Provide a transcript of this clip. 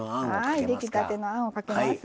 出来たてのあんをかけます。